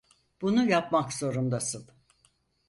Bunu yapmak zorundasın.